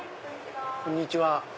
はいこんにちは。